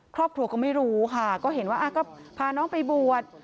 ครอบครัวก็ไม่รู้ค่ะก็เห็นว่าก็พาน้องไปบวช